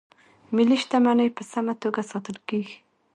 ملي شتمنۍ په سمه توګه ساتل کیږي.